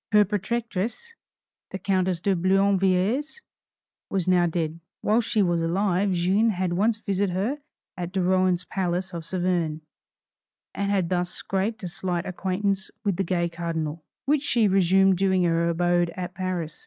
Her protectress, the countess de Boulainvilliers, was now dead; while she was alive Jeanne had once visited her at de Rohan's palace of Saverne, and had thus scraped a slight acquaintance with the gay Cardinal, which she resumed during her abode at Paris.